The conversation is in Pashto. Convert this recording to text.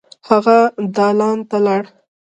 هغه دالان ته لاړ.